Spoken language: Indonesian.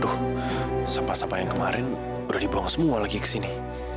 tuh sampah sampah yang kemarin udah dibawa semua lagi kesini